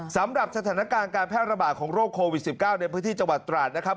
สำหรับสถานการณ์การแพร่ระบาดของโรคโควิด๑๙ในพื้นที่จังหวัดตราดนะครับ